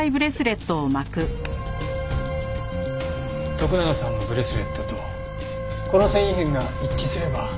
徳永さんのブレスレットとこの繊維片が一致すれば。